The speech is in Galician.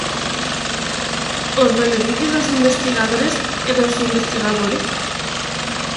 ¿Os beneficios das investigadores e dos investigadores?